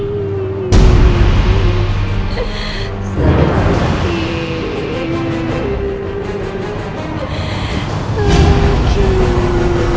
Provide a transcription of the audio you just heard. udah cepetan cepetan